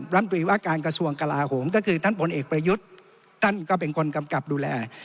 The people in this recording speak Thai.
ตรีว่าการกระทรวงกลาโหมก็คือท่านพลเอกประยุทธ์ท่านก็เป็นคนกำกับดูแล